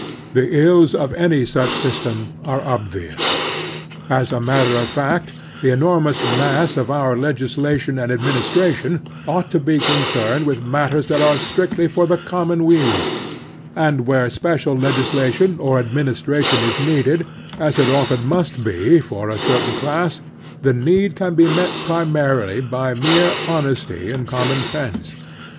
The ills of any such system are obvious. As a matter of fact, the enormous mass of our legislation and administration ought to be concerned with matters that are strictly for the commonweal ; and where special legislation or administration is needed, as it often must be, for a certain class, the need can be met primarily by mere honesty and common sense.